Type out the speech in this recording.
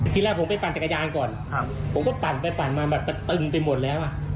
ทีแรกผมไปปั่นจักรยานก่อนผมก็ปั่นไปปั่นมาแบบมันตึงไปหมดแล้วอ่ะ